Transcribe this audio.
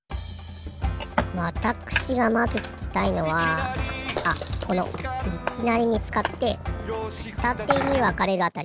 わたくしがまずききたいのはあこのいきなりみつかってふたてにわかれるあたり。